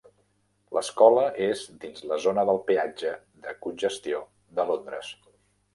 L'escola és dins la zona del Peatge de congestió de Londres.